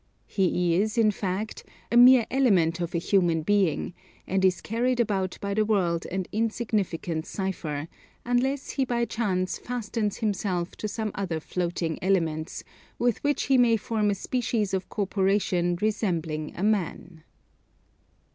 He is, in fact, a mere element of a human being, and is carried about the world an insignificant cipher, unless he by chance fastens himself to some other floating elements, with which he may form a species of corporation resembling a man."